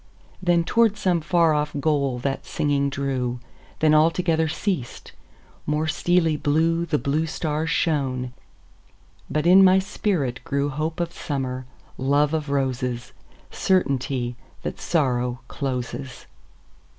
Then toward some far off goal that singing drew; Then altogether ceas'd; more steely blueThe blue stars shone; but in my spirit grewHope of Summer, love of Roses, Certainty that Sorrow closes.